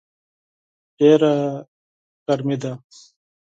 ډېره ګرمي ده